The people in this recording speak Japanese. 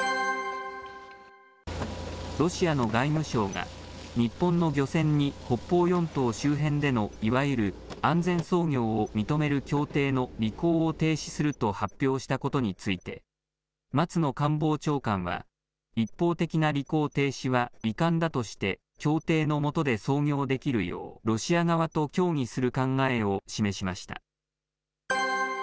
ロシアの外務省が、日本の漁船に北方四島周辺でのいわゆる安全操業を認める協定の履行を停止すると発表したことについて、松野官房長官は、一方的な履行停止は遺憾だとして、協定のもとで操業できるよう、ロシア側と協議する考えを示しました。